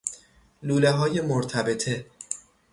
لوله های مرتبطه